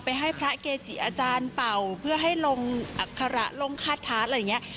ให้พระเกจิอาจารย์เป่าเพื่อให้ลงอัคระลงคาทาสอะไรอย่างนี้